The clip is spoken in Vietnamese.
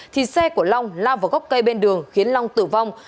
thì xe của long lao vào gốc cây bên đường khiến long tử vong